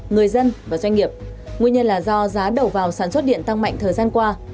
người dân và doanh nghiệp nguyên nhân là do giá đầu vào sản xuất điện tăng mạnh thời gian qua